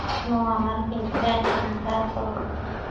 শোনো, আমার পিনটা এন্টার করো।